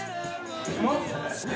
うまっ！